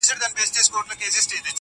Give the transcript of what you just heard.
د خور او مور له ګریوانونو سره لوبي کوي-